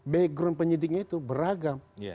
background penyidiknya itu beragam